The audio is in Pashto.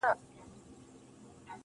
• له غرونو واوښتم، خو وږي نس ته ودرېدم .